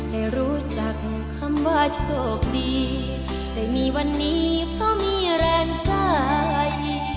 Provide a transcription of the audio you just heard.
ได้รู้จักคำว่าโชคดีได้มีวันนี้เพราะมีแรงใจ